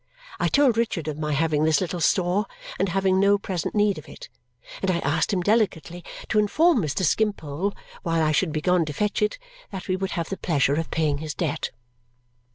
I told Richard of my having this little store and having no present need of it, and I asked him delicately to inform Mr. Skimpole, while I should be gone to fetch it, that we would have the pleasure of paying his debt.